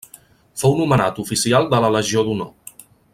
Fou nomenat oficial de la Legió d'honor.